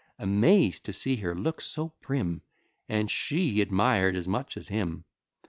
Amaz'd to see her look so prim, And she admir'd as much at him.